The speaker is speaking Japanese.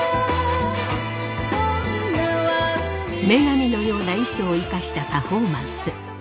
女神のような衣装を生かしたパフォーマンス。